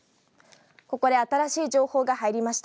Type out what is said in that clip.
ここで新しい情報が入りました。